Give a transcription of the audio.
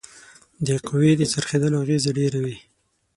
د قوې د څرخیدلو اغیزه ډیره وي.